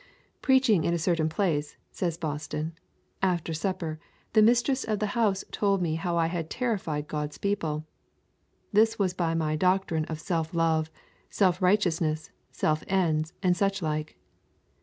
'Preaching in a certain place,' says Boston, 'after supper the mistress of the house told me how I had terrified God's people. This was by my doctrine of self love, self righteousness, self ends, and such like.